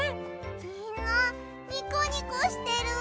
みんなニコニコしてる。